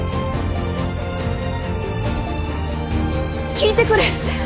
聞いてくれ。